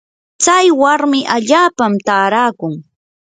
tsay warmi hapallanmi taarakun.